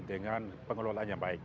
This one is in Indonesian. dengan pengelolaan yang baik